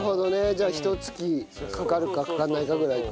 じゃあひと月かかるかかからないかぐらいか。